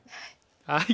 はい。